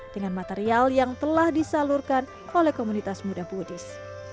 dengan material yang telah disalurkan oleh komunitas muda buddhis